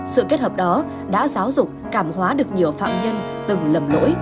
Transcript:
sự kết hợp đó đã giáo dục cảm hóa được nhiều phạm nhân từng lầm lỗi